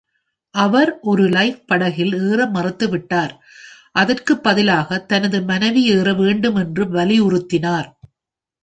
அவர் ஒரு லைஃப் படகில் ஏற மறுத்துவிட்டார், அதற்கு பதிலாக தனது மனைவி ஏற வேண்டும் என்று வலியுறுத்தினார்.